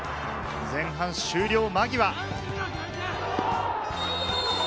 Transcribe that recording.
前半終了間際。